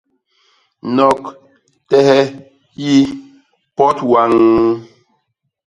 Nok, tehe, yi, pot waññ!